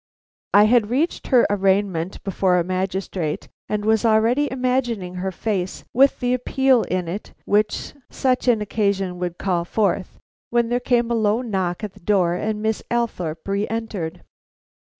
I had reached her arraignment before a magistrate, and was already imagining her face with the appeal in it which such an occasion would call forth, when there came a low knock at the door, and Miss Althorpe re entered.